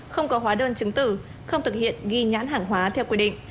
không có hóa đơn chứng tử không thực hiện ghi nhãn hàng hóa theo quy định